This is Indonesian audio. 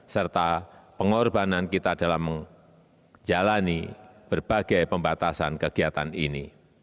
serta pengorbanan kita dalam menjalani berbagai pembatasan kegiatan ini